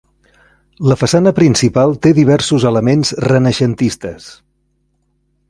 La façana principal té diversos elements renaixentistes.